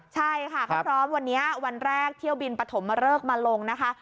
ใช่ค่ะเขาพร้อมวันนี้วันแรกเที่ยวบินปฐมเริกมาลงนะคะ